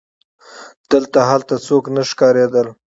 دلته هلته څوک نه ښکارېدل.